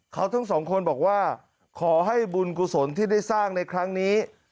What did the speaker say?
เขาทั้งสองคนบอกว่าขอให้บุญกุศลที่ได้สร้างในครั้งนี้